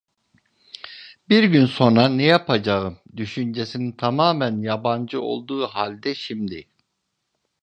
"Bir gün sonra ne yapacağım!" düşüncesine tamamen yabancı olduğu halde şimdi...